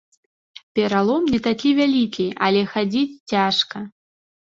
Пералом не такі вялікі, але хадзіць цяжка.